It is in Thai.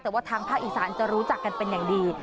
แต่ว่าทางภาคอีสานจะรู้จักกันเป็นอย่างดี